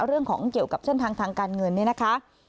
เรื่องของเกี่ยวกับเส้นทางทางการเงินเนี่ยนะคะ